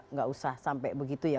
nggak usah sampai begitu ya